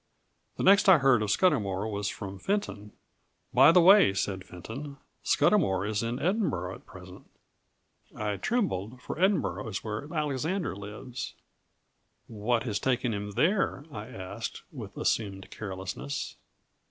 The next I heard of Scudamour was from Fenton. "By the way," said Fenton, "Scudamour is in Edinburgh at present." I trembled, for Edinburgh is where Alexander lives. "What has taken him there?" I asked, with assumed carelessness.